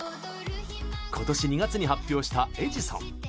今年２月に発表した「エジソン」。